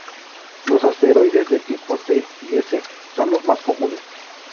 Los asteroides de tipos C y S son los más comunes.